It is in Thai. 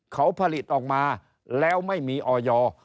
เขาผลิตออกมาแล้วไม่มีออย